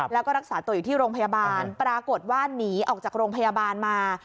แล้วก็รักษาตัวอยู่ที่โรงพยาบาลปรากฏว่าหนีออกจากโรงพยาบาลมา